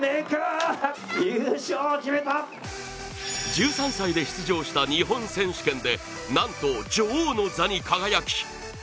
１３歳で出場した日本選手権でなんと女王の座に輝き